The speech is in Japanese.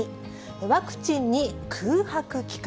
ワクチンに空白期間。